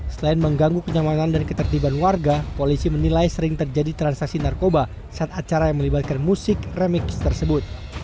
selain mengganggu kenyamanan dan ketertiban warga polisi menilai sering terjadi transaksi narkoba saat acara yang melibatkan musik remix tersebut